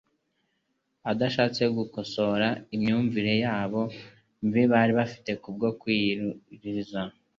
adashatse gukosora imyumvire yabo mibi bari bafite kubwo kwiyiriza,